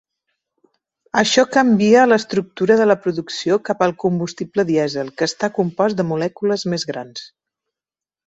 Això canvia l'estructura de la producció cap al combustible dièsel, que està compost de molècules més grans.